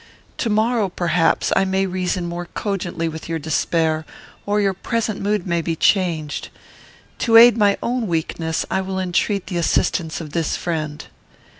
To morrow, perhaps, I may reason more cogently with your despair, or your present mood may be changed. To aid my own weakness I will entreat the assistance of this friend."